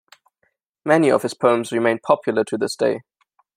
Many of his poems remain popular to this day.